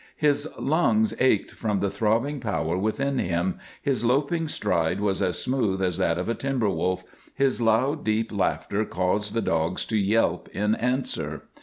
His lungs ached from the throbbing power within them, his loping stride was as smooth as that of a timber wolf, his loud, deep laughter caused the dogs to yelp in answer.